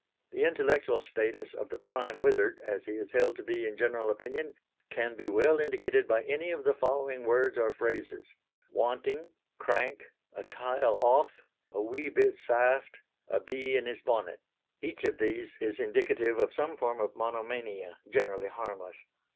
The intellectual status of the prime wizard, as he is held to be in general opinion, can be well indicated by any of the following words or phrases "wanting," "crank," "a tile off," "a wee bit saft," "a bee in his bonnet." Each of these is indicative of some form of monomania, generally harmless.